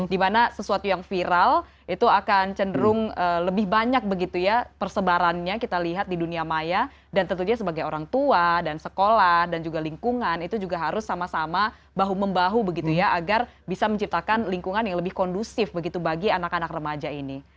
dimana sesuatu yang viral itu akan cenderung lebih banyak begitu ya persebarannya kita lihat di dunia maya dan tentunya sebagai orang tua dan sekolah dan juga lingkungan itu juga harus sama sama bahu membahu begitu ya agar bisa menciptakan lingkungan yang lebih kondusif begitu bagi anak anak remaja ini